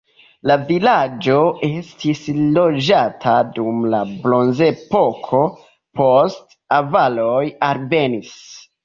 La vilaĝo estis loĝata dum la bronzepoko, poste avaroj alvenis.